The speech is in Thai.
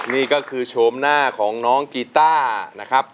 นี่ก็คือโฉมหน้าของน้องกีต้านะครับ